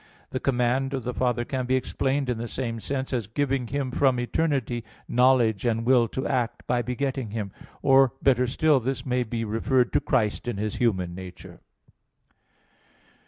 The command of the Father can be explained in the same sense, as giving Him from eternity knowledge and will to act, by begetting Him. Or, better still, this may be referred to Christ in His human nature.